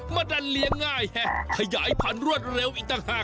มาดันเลี้ยงง่ายขยายพันธุรวดเร็วอีกต่างหาก